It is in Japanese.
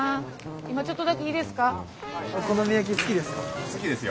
今ちょっとだけいいですか？